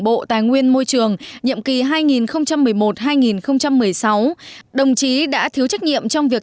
bộ tài nguyên môi trường nhiệm kỳ hai nghìn một mươi một hai nghìn một mươi sáu đồng chí đã thiếu trách nhiệm trong việc